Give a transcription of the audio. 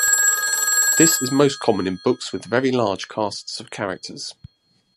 This is most common in books with very large casts of characters.